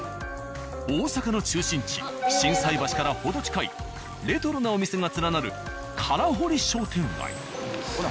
大阪の中心地心斎橋から程近いレトロなお店が連なる空堀商店街。